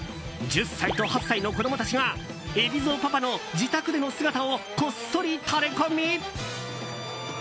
１０歳と８歳の子供たちが海老蔵パパの自宅での姿をこっそりタレコミ。